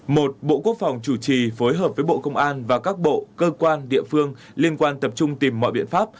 một bộ quốc phòng chủ trì phối hợp với bộ công an và các bộ cơ quan địa phương liên quan tập trung tìm mọi biện pháp